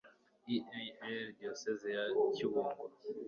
e a r diyoseze ya kibungo